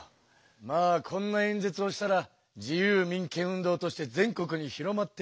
まあこんな演説をしたら自由民権運動として全国に広まってね。